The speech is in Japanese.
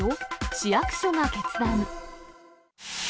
市役所が決断。